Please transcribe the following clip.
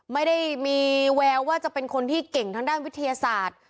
ไม่ได้มีแววว่าจะเป็นคนที่เก่งทางด้านวิทยาศาสตร์